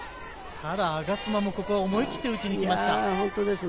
ただ我妻も思い切って打ちに行きました。